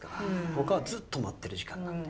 ほかはずっと待ってる時間なんで。